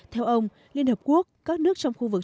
theo ông liên hợp quốc các nước trong khu vực